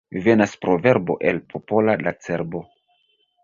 Venas proverbo el popola la cerbo.